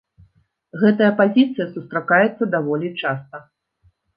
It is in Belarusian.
Гэтая пазіцыя сустракаецца даволі часта.